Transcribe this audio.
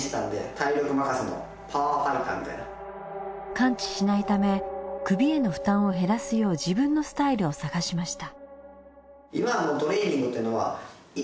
完治しないため首への負担を減らすよう自分のスタイルを探しました。